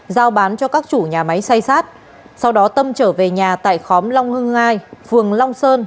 giao bán cho các chủ nhà máy xây xát sau đó tâm trở về nhà tại khóm long hưng ngai phường long sơn